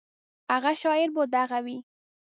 هغه شاعر به دغه وي.